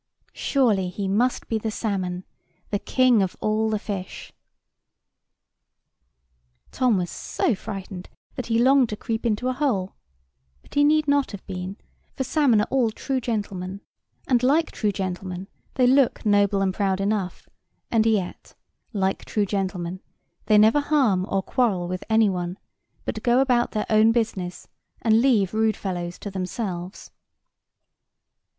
Surely he must be the salmon, the king of all the fish. [Picture: Tom and the salmon] Tom was so frightened that he longed to creep into a hole; but he need not have been; for salmon are all true gentlemen, and, like true gentlemen, they look noble and proud enough, and yet, like true gentlemen, they never harm or quarrel with any one, but go about their own business, and leave rude fellows to themselves.